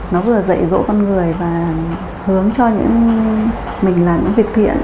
nó vừa dạy dỗ con người và hướng cho những mình làm những việc thiện